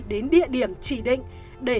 đến địa điểm chỉ định để